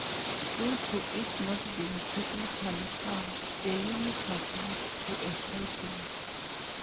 Due to it not being technically sound, the unit was moved to a siding.